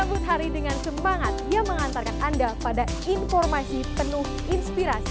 sambut hari dengan semangat yang mengantarkan anda pada informasi penuh inspirasi